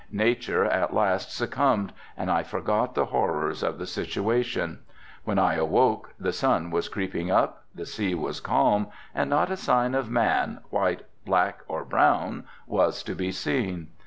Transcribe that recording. Nature at last succumbed and I forgot the horrors of the situation. When I awoke the sun was creeping, up, the sea was calm and not a sign of man white, black or brown was to be seen.